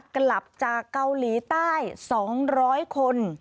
กลับจากเกาหลีใต้๒๐๐คน